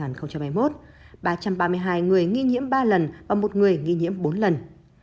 ba trăm ba mươi hai người nghi nhiễm ba lần và một người nghi nhiễm bốn lần